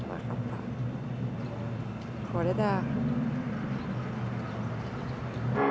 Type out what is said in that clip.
これだ！